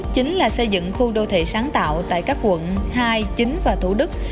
chính là xây dựng khu đô thị sáng tạo tại các quận hai chín và thủ đức